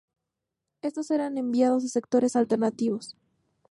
Estos eran enviados a sectores alternativos.